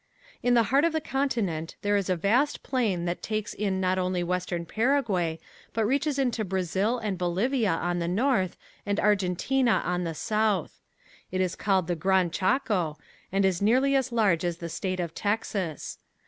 In the heart of the continent there is a vast plain that takes in not only western Paraguay but reaches into Brazil and Bolivia on the north and Argentina on the south. This is called the Gran Chaco and it is nearly as large as the state of Texas.